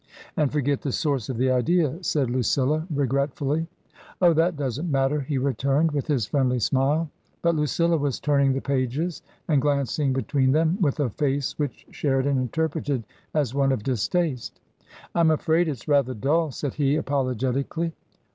" And forget the source of the idea !" said Lucilla, re gretfully. "Oh, that doesn't matter," he returned, with his friendly smile. But Lucilla was turning the pages and glancing be tween them with a face which Sheridan interpreted as one of distaste. " I'm afraid it's rather dull," said he, apologetically.